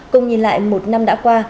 cùng nhìn lại một năm đã qua